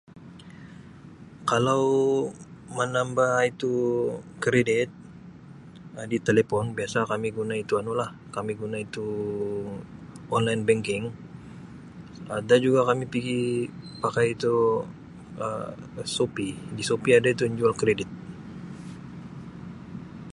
Kalau menambah itu keridit Um di telepon biasa kami guna itu anu lah kami guna itu online banking ada juga kami pigi pakai itu Um Shopee di Shopee ada itu yang jual keridit.